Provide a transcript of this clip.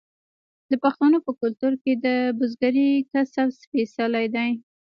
د پښتنو په کلتور کې د بزګرۍ کسب سپیڅلی دی.